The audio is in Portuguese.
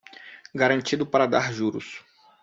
Garantido para dar juros